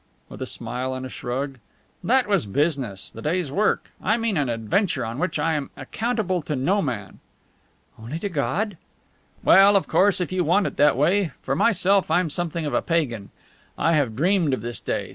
with a smile and a shrug. "That was business, the day's work. I mean an adventure in which I am accountable to no man." "Only to God?" "Well, of course, if you want it that way. For myself, I'm something of a pagan. I have dreamed of this day.